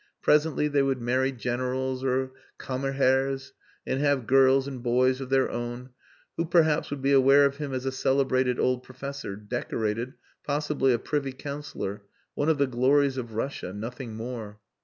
Presently they would marry Generals or Kammerherrs and have girls and boys of their own, who perhaps would be aware of him as a celebrated old professor, decorated, possibly a Privy Councillor, one of the glories of Russia nothing more!